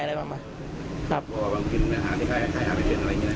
กลัวว่าคุณอาทิตย์ขายไปเป็นอะไรอย่างนี้